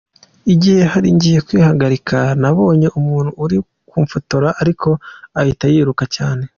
Igiye hari ngiye kwihagarika, nabonye umuntu uri kumfotora, ariko ahita yiruka cyane.